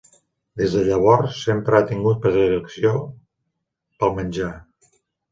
Des de llavors, sempre ha tingut predilecció pel menjar.